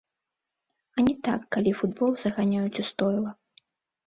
А не так, калі футбол заганяюць у стойла!